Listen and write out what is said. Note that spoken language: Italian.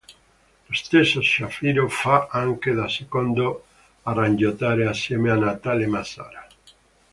Lo stesso Shapiro fa anche da secondo arrangiatore assieme a Natale Massara.